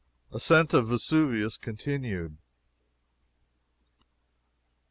ASCENT OF VESUVIUS CONTINUED.